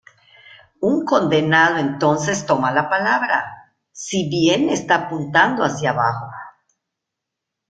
Un condenado entonces toma la palabra, si bien está apuntando hacia abajo.